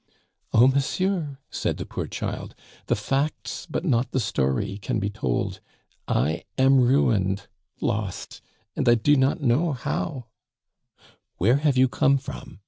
"Oh, monsieur," said the poor child, "the facts but not the story can be told I am ruined, lost, and I do not know how " "Where have you come from?"